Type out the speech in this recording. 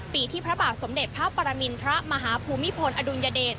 ปีที่พระบาทสมเด็จพระปรมินทรมาฮภูมิพลอดุลยเดช